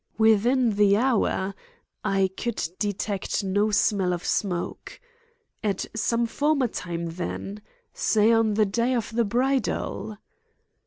Within the hour? I could detect no smell of smoke. At some former time, then? say on the day of the bridal?